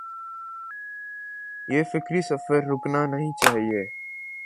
یہ فکری سفر رکنا نہیں چاہیے۔